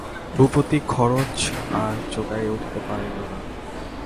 ভূপতি খরচ আর জোগাইয়া উঠিতে পারিল না।